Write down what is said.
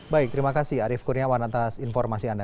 baik terima kasih arief kurniawan atas informasi anda